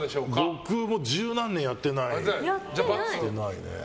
僕もう十何年やってないね。